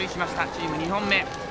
チーム２本目。